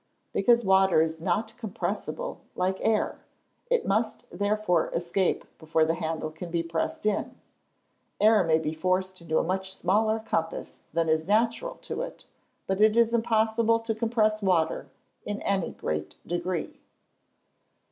_ Because water is not compressible, like air; it must therefore escape before the handle can be pressed in. Air may be forced into a much smaller compass than is natural to it; but it is impossible to compress water in any great degree.